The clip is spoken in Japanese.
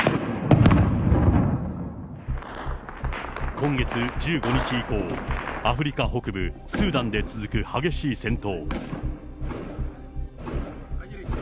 今月１５日以降、アフリカ北部、スーダンで続く激しい戦闘。